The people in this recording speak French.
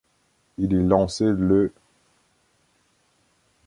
Il est lancé le .